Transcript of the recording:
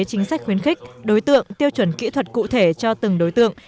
chính sách khuyến khích đối tượng tiêu chuẩn kỹ thuật cụ thể cho từng đối tượng